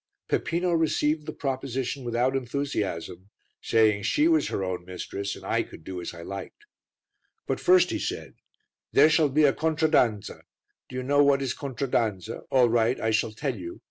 Peppino received the proposition without enthusiasm, saying she was her own mistress and I could do as I liked. "But first," he said, "there shall be a contraddanza; did you know what is contraddanza? All right, I shall tell you.